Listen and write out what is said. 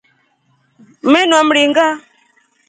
Mmenua mringa.